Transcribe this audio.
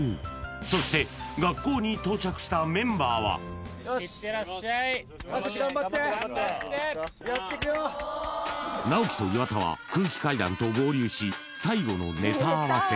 そして学校に到着したメンバーは直己と岩田は空気階段と合流し、最後のネタ合わせ。